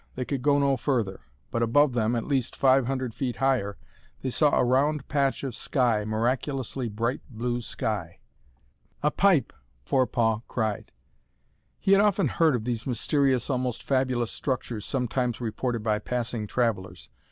They could go no further, but above them, at least 500 feet higher, they saw a round patch of sky, miraculously bright blue sky! "A pipe!" Forepaugh cried. He had often heard of these mysterious, almost fabulous structures sometimes reported by passing travelers.